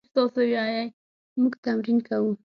موږ تمرین کوو